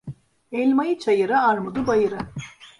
Elmayı çayıra, armudu bayıra.